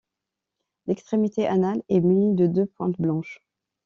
L'extrémité anale est munie de deux pointes blanches.